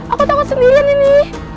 aku takut sendirian ini